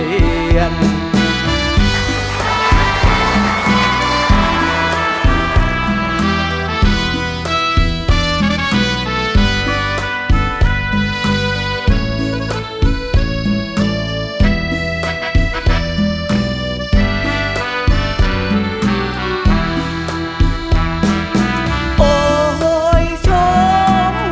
ข้างมนต์สรุปทางมนต์ตัวแรกหยุดนั่นแม้มันหยุดและกลับมา